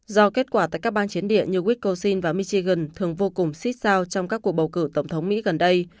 do kết quả tại các bang chiến địa như wisconsin và michigan thường vô cùng xích sao trong các cuộc bầu cử tổng thống mỹ gần đây